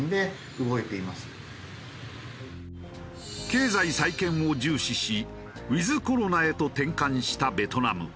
経済再建を重視しウィズコロナへと転換したベトナム。